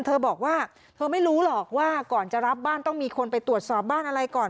เธอบอกว่าเธอไม่รู้หรอกว่าก่อนจะรับบ้านต้องมีคนไปตรวจสอบบ้านอะไรก่อน